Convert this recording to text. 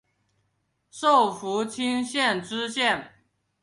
授福清县知县。